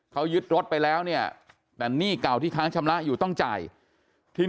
เขายึดรถไปแล้วเนี่ยแต่หนี้เก่าที่ค้างชำระอยู่ต้องจ่ายที่